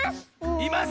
います？